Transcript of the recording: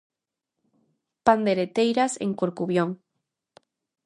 Pandeireteiras en Corcubión.